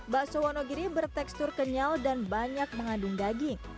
bakso wonogiri bertekstur kenyal dan banyak mengandung daging